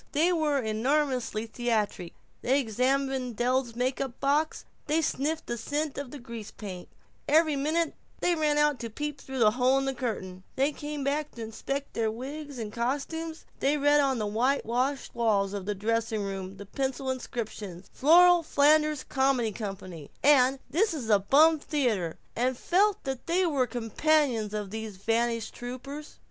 They were enormously theatric. They examined Del's makeup box, they sniffed the scent of grease paint, every minute they ran out to peep through the hole in the curtain, they came back to inspect their wigs and costumes, they read on the whitewashed walls of the dressing rooms the pencil inscriptions: "The Flora Flanders Comedy Company," and "This is a bum theater," and felt that they were companions of these vanished troupers.